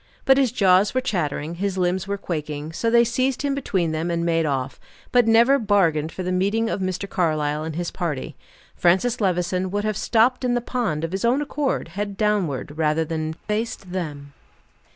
But his jaws were chattering, his limbs were quaking, so they seized him between them, and made off, but never bargained for the meeting of Mr. Carlyle and his party. Francis Levison would have stopped in the pond, of his own accord, head downward, rather than face them.